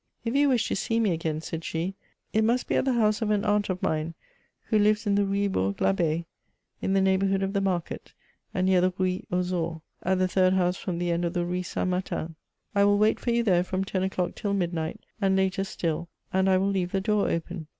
' If you wish to see me again,' said she, ' it must be at the house of an aunt of mine, who lives in the Rue Bourg FAbb^ in the neighbour hood of the market, and near the Rue aux Ours, at the third house from the end of the Rue St. Martin ; I will wait for you there from ten o'clock till midnight, and later still, and I will leave the door open.